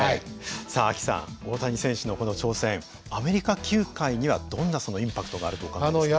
さあＡＫＩさん大谷選手のこの挑戦アメリカ球界にはどんなインパクトがあるとお考えですか。